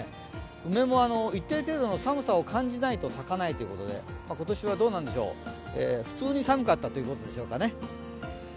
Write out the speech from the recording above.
梅も一定程度の寒さを感じないと咲かないということで、今年はどうなんでしょう、普通に寒かったということでしょうかね。